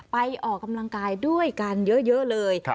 ออกกำลังกายด้วยกันเยอะเลย